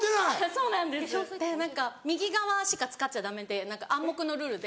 そうなんですで何か右側しか使っちゃダメで暗黙のルールで。